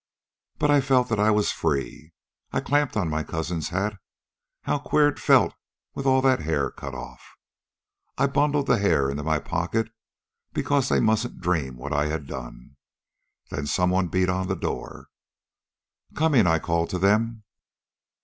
"But I felt that I was free. I clamped on my cousin's hat how queer it felt with all that hair cut off! I bundled the hair into my pocket, because they mustn't dream what I had done. Then someone beat on the door. "'Coming!' I called to them.